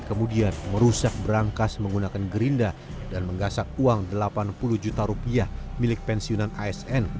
kemudian merusak berangkas menggunakan gerinda dan menggasak uang delapan puluh juta rupiah milik pensiunan asn